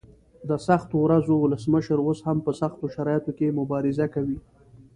د سختو ورځو ولسمشر اوس هم په سختو شرایطو کې مبارزه کوي.